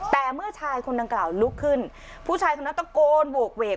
แต่เมื่อชายคนดังกล่าวลุกขึ้นผู้ชายคนนั้นตะโกนโหกเวก